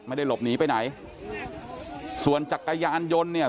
ไม่ได้หลบหนีไปไหนส่วนจักรยานยนต์เนี่ย